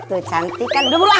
tuh cantik kan udah buru ah